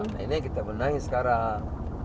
nah ini yang kita benahi sekarang